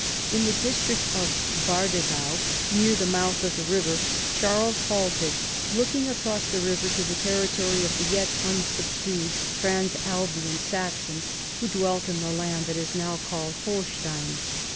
In the district of Bardengau, near the mouth of that river, Charles halted, looking across the river to the territory of the yet unsubdued Transalbian Saxons who dwelt in the land that is now called Ilolstein.